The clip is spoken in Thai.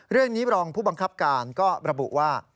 เรื่องนี้รองผู้บังคับการก็ระบุว่า